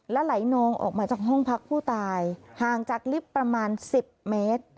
และไหลนองออกมาจากห้องพักผู้ตายห่างจากลิฟต์ประมาณ๑๐เมตร